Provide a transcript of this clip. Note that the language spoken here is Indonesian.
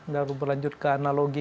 lalu berlanjut ke analogi